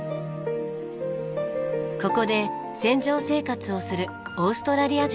ここで船上生活をするオーストラリア人がいます。